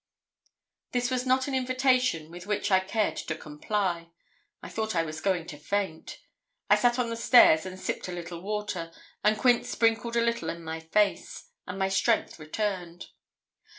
This was not an invitation with which I cared to comply. I thought I was going to faint. I sat on the stairs and sipped a little water, and Quince sprinkled a little in my face, and my strength returned.